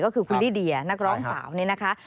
ก็คือคุณลิเดียนักร้องสาวนี่นะคะ